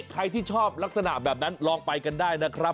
ใครที่ชอบลักษณะแบบนั้นลองไปกันได้นะครับ